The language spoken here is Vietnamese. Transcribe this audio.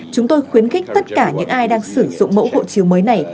chúng tôi khuyến khích tất cả những ai đang sử dụng mẫu hộ chiếu mới này